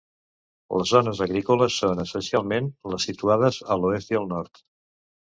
Les zones agrícoles són, essencialment, les situades a l'oest i al nord.